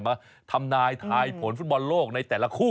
มาทำนายทายผลฟุตบอลโลกในแต่ละคู่